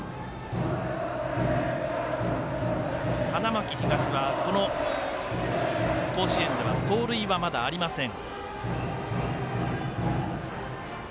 花巻東は、この甲子園では盗塁がまだありません。